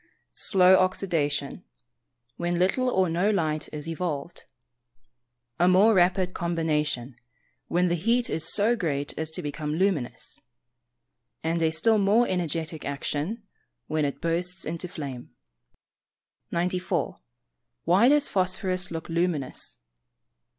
slow oxydation, when little or no light is evolved; a more rapid combination, when the heat is so great as to become luminous; and a still more energetic action, when it bursts into flame. 94. _Why does phosphorous look luminous?